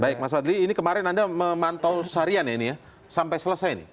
baik mas fadli ini kemarin anda memantau seharian ya ini ya sampai selesai nih